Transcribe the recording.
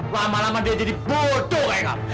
lama lama dia jadi bodoh kayak kamu